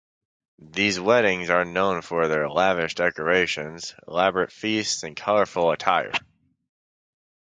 These weddings are known for their lavish decorations, elaborate feasts, and colorful attire.